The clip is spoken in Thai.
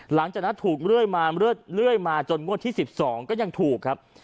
หลังจากนั้นถูกเรื่อยมาจนเงินที่๑๒ก็ยังถูก